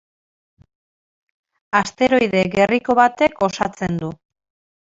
Asteroide gerriko batek osatzen du.